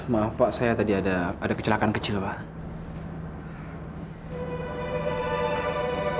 maaf pak saya tadi ada kecelakaan kecil pak